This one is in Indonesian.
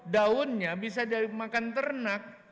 daunnya bisa jadi makan ternak